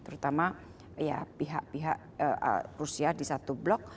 terutama pihak pihak rusia di satu blok